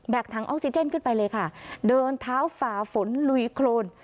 ถังออกซิเจนขึ้นไปเลยค่ะเดินเท้าฝ่าฝนลุยโครน